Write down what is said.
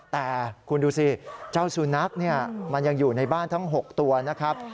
แต่คุณดูสิเจ้าสุนัขมันยังอยู่ในบ้านทั้ง๖ตัวนะครับ